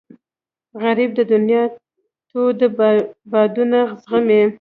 غریب د دنیا تود بادونه زغمي